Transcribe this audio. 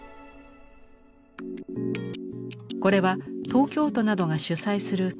これは東京都などが主催する企画の一つ。